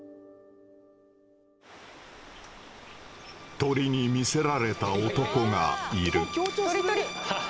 鳥に魅せられた男がいる。